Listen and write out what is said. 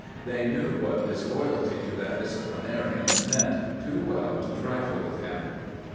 They knew what disloyalty to that disciplinarian meant too well to trifle with him.